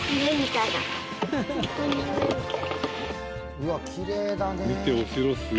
うわきれいだね。